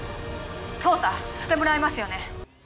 捜査、してもらえますよね？